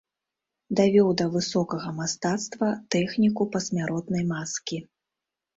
Давёў да высокага мастацтва тэхніку пасмяротнай маскі.